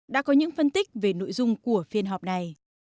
đã có những phân tích về nội dung của phiên họp này